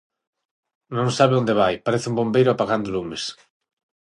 Non sabe onde vai, parece un bombeiro apagando lumes.